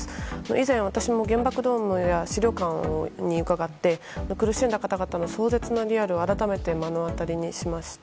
以前、私も原爆ドームや資料館にうかがって苦しんだ方々の壮絶なリアルを改めて目の当たりにしました。